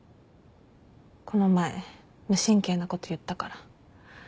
この前無神経なこと言ったから。